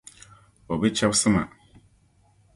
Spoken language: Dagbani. O bi chɛbisi ma.